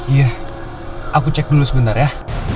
iya aku cek dulu sebentar ya